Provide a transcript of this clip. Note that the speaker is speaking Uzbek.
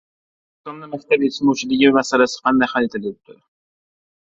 O‘zbekistonda maktab yetishmovchiligi masalasi qanday hal etilyapti?